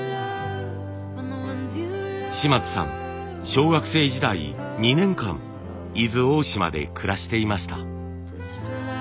小学生時代２年間伊豆大島で暮らしていました。